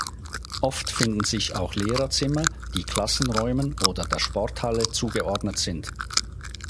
Oft finden sich auch Lehrerzimmer, die Klassenräumen oder der Sporthalle zugeordnet sind.